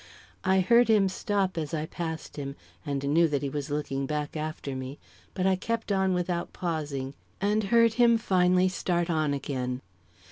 I heard him stop, as I passed him, and knew that he was looking back after me, but I kept on without pausing, and heard him finally start on again.